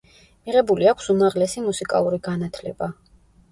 მიღებული აქვს უმაღლესი მუსიკალური განათლება.